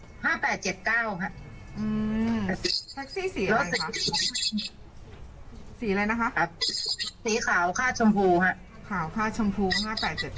สีอะไรนะคะครับสีขาวค่าชมพูฮะขาวค่าชมพูห้าแปดเจ็ดเก้าเนอะ